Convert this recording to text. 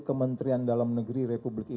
kementerian dalam negeri ri